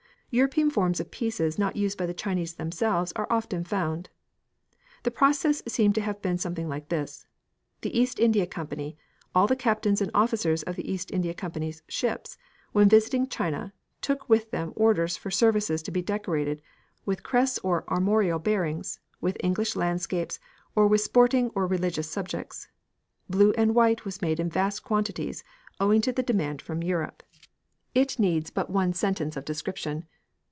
European forms of pieces not used by the Chinese themselves are often found. The process seemed to have been something like this. The East India Company, all the captains and officers of the East India Company's ships, when visiting China took with them orders for services to be decorated with crests or armorial bearings, with English landscapes, or with sporting or religious subjects. Blue and white was made in vast quantities owing to the demand from Europe. It needs but one sentence of description.